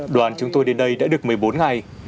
đoàn chúng tôi đến đây đã được một mươi bốn ngày